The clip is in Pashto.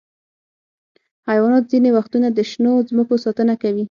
حیوانات ځینې وختونه د شنو ځمکو ساتنه کوي.